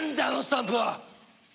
あのスタンプは！